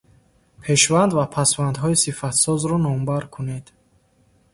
Пешванд ва пасвандҳои сифатсозро номбар кунед.